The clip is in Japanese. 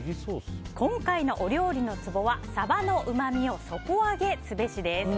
今回のお料理のツボはサバのうまみを底上げすべしです。